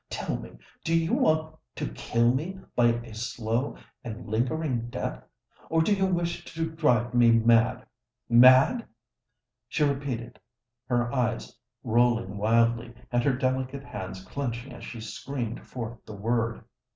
Tell me—do you want to kill me by a slow and lingering death? or do you wish to drive me mad—mad?" she repeated, her eyes rolling wildly, and her delicate hands clenching as she screamed forth the word.